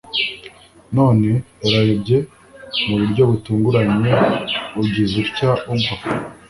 None urayobye mu buryo butunguranye ugize utya ugwa